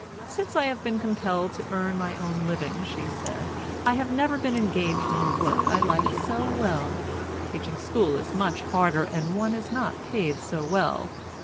"Since I have been compelled to earn my own living," she said, "I have never been engaged in work I like so well. Teaching school is much harder, and one is not paid so well."